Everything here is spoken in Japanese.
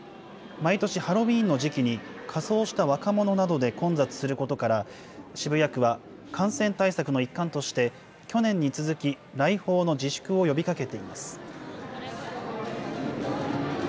毎年、ハロウィーンの時期に、仮装した若者などで混雑することから、渋谷区は感染対策の一環として、去年に続き、来訪の自粛を呼びかけています。